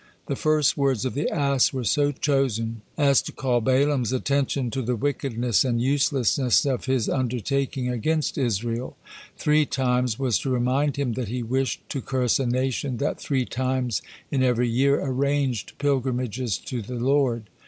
The first words of the ass were so chosen as to call Balaam's attention to the wickedness and uselessness of his undertaking against Israel; "Three times" was to remind him that he wished to curse a nation that "three times" in every year arranged pilgrimages to the Lord.